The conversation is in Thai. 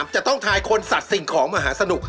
จะต้องทายคนสัตว์สิ่งของมหาสนุก